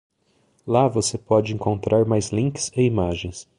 Lá você pode encontrar mais links e imagens.